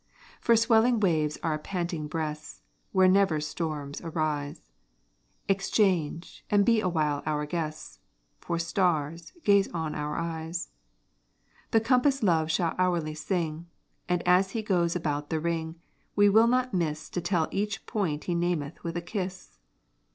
For swelling waves our panting breasts, Where never storms arise, Exchange, and be awhile our guests: For stars, gaze on our eyes. The compass love shall hourly sing, And as he goes about the ring, We will not miss To tell each point he nameth with a kiss.